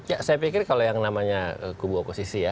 ya saya pikir kalau yang namanya kubu oposisi ya